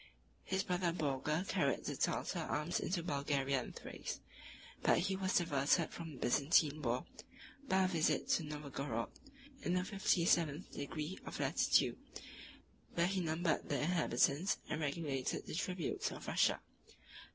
His brother Borga carried the Tartar arms into Bulgaria and Thrace; but he was diverted from the Byzantine war by a visit to Novogorod, in the fifty seventh degree of latitude, where he numbered the inhabitants and regulated the tributes of Russia.